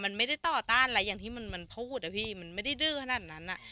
มันไม่ได้ต่อต้านอะไรอย่างที่มันพูดอะพี่มันไม่ได้ดื้อขนาดนั้นอ่ะ